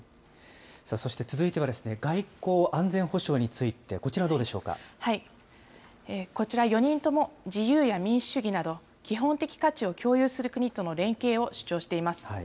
そして続いては、外交・安全保障について、こちらはどうでしこちら４人とも、自由や民主主義など、基本的価値を共有する国との連携を主張しています。